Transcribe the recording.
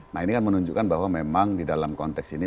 nah ini kan menunjukkan bahwa memang di dalam konteks ini